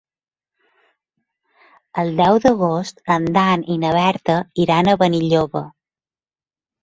El deu d'agost en Dan i na Berta iran a Benilloba.